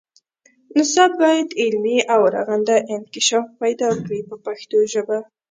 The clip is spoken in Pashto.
نصاب باید علمي او رغنده انکشاف پیدا کړي په پښتو ژبه.